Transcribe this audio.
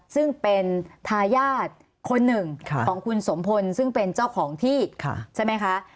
ซึ่งเป็นทายาทคนหนึ่งของคุณสมพลซึ่งเป็นเจ้าของที่ใช่ไหมคะ